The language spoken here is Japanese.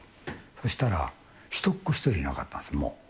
そうしたら、人っ子一人いなかったんですよ、もう。